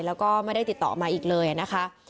แล้วก็ไม่ได้ติดต่อมาอีกเลยนะคะ